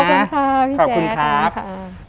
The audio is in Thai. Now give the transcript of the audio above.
ค่ะขอบคุณค่ะพี่แจ๊ก